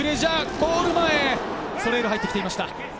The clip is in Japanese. ゴール前、ソレールが入ってきていました。